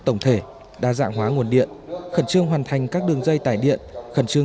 tổng thể đa dạng hóa nguồn điện khẩn trương hoàn thành các đường dây tải điện khẩn trương